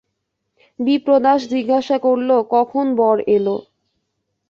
বিপ্রদাস জিজ্ঞাসা করলে, কখন বর এল?